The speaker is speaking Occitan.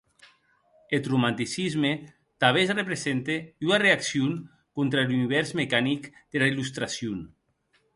Eth Romanticisme tanben represente ua reaccion contra er univèrs mecanic dera Illustracion.